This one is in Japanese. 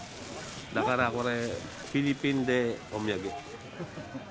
だからこれ、フィリピンでお土産。